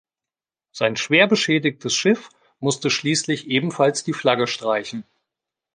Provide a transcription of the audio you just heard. Sein schwer beschädigtes Schiff musste schließlich ebenfalls die Flagge streichen.